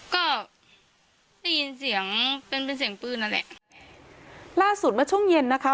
ก็ได้ยินเสียงเป็นเป็นเสียงปืนนั่นแหละล่าสุดเมื่อช่วงเย็นนะคะ